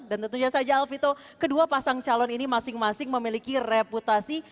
dan tentunya saja alvito kedua pasang calon ini masing masing memiliki reputasi